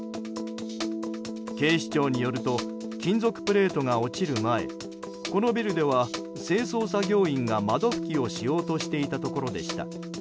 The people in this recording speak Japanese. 警視庁によると金属プレートが落ちる前このビルでは清掃作業員が窓拭きをしようとしていたところでした。